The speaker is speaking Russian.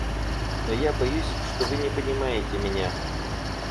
Но я боюсь, что вы не понимаете меня.